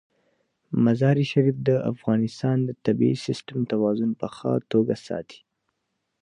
مزارشریف د افغانستان د طبعي سیسټم توازن په ښه توګه ساتي.